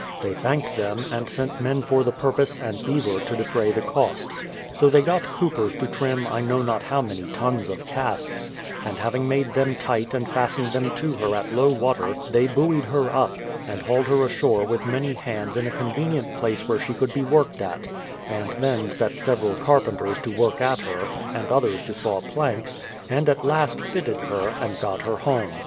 They thanked them, and sent men for the purpose and beaver to defray the cost. So they got coopers to trim I know not how many tons of casks, and having made them tight an^ THE PLYMOUTH SETTLEMENT 157 fastened them to her at low water, they buoyed her up, and hauled her ashore with many hands in a convenient place where she could be worked at; and then set several car penters to work at her, and others to saw planks, and at last fitted her, and got her home.